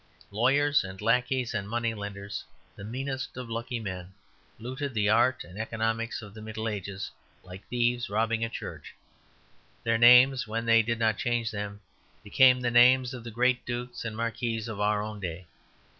Lawyers and lackeys and money lenders, the meanest of lucky men, looted the art and economics of the Middle Ages like thieves robbing a church. Their names (when they did not change them) became the names of the great dukes and marquises of our own day.